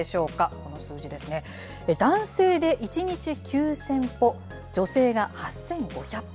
この数字ですね、男性で１日９０００歩、女性が８５００歩。